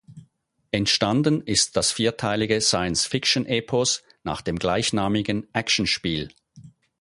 Entstanden ist das vierteilige Science-Fiction-Epos nach dem gleichnamigen Actionspiel.